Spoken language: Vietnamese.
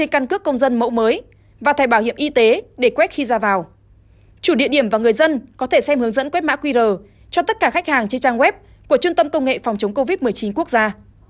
các bạn và người dân có thể xem hướng dẫn quét mã qr cho tất cả khách hàng trên trang web của trung tâm công nghệ phòng chống covid một mươi chín quốc gia